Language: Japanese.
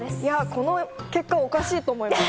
この結果はおかしいと思います。